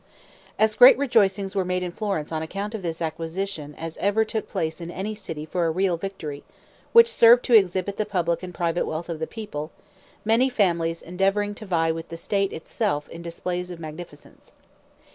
As great rejoicings were made in Florence on account of this acquisition as ever took place in any city for a real victory, which served to exhibit the public and private wealth of the people, many families endeavoring to vie with the state itself in displays of magnificence.